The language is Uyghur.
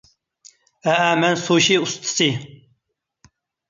ھەئە ،مەن سۇشى ئۇستىسى.